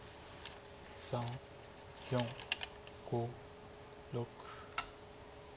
３４５６。